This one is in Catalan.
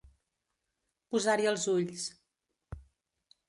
Posar-hi els ulls.